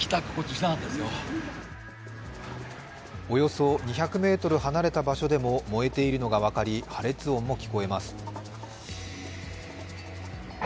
およそ２００ｍ離れた場所でも燃えているのが分かり破裂音も聞こえます。